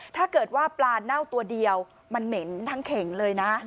ถ้าเกิดว่าปลาเน่าตัวเดียวมันเหม็นทั้งเข่งเลยนะ